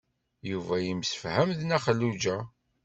Yuba yemsefham d Nna Xelluǧa.